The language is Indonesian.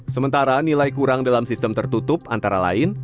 sementara nilai kurang dalam sistem tertutup antara lain